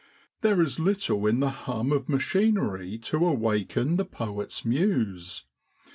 There is little in the hum of machinery to awaken the poet's muse.